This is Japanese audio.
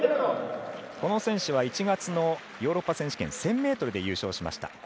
この選手は１月のヨーロッパ選手権１０００ｍで優勝しました。